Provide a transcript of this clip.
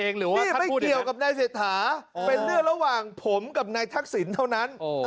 หรือว่าไม่เกี่ยวกับนายเศรษฐาเป็นเรื่องระหว่างผมกับนายทักษิณเท่านั้น